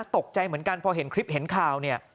ตกใจเหมือนกันพอเห็นคลิปเห็นข่าวเนี่ย